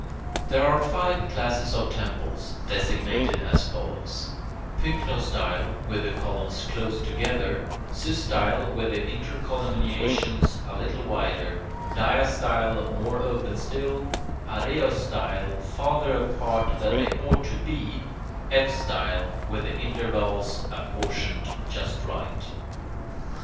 There are five classes of temples, designated as follows: pycnostyle, with the columns close together; systyle, with the intercolumniations a little wider; diastyle, more open still; araeostyle, farther apart than they ought to be; eustyle, with the intervals apportioned just right.